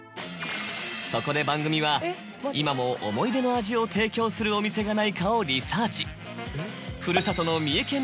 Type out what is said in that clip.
そこで番組は今も思い出の味を提供するお店がないかをリサーチ。